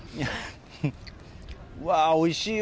うわー、おいしいわ。